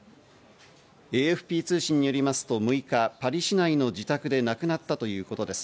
ＡＦＰ通信によりますと６日、パリ市内の自宅で亡くなったということです。